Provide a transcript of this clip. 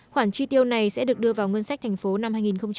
khoản chi tiêu này sẽ được đưa vào ngân sách thành phố năm hai nghìn hai mươi